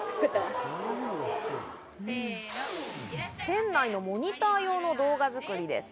店内のモニター用の動画作りです。